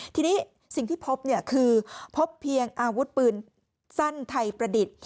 ทีนี้สิ่งที่พบคือพบเพียงอาวุธปืนสั้นไทยประดิษฐ์